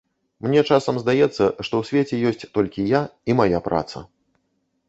Мне часам здаецца, што ў свеце ёсць толькі я і мая праца.